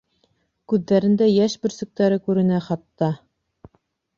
Күҙҙәрендә йәш бөрсөктәре күренә, хатта.